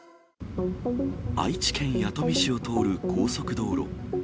愛知県弥富市を通る高速道路。